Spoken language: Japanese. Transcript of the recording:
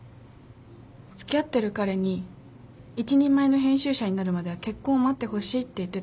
付き合ってる彼に一人前の編集者になるまでは結婚を待ってほしいって言ってたんですよ。